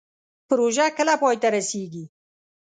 پروژه کله پای ته رسیږي؟